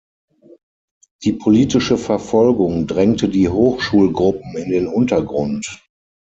Die politische Verfolgung drängte die Hochschulgruppen in den Untergrund.